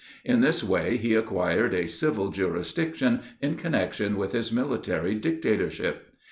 In this way he acquired a civil jurisdiction in connection with his military dictatorship.